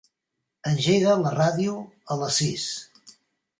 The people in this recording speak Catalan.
Engega la ràdio a les sis.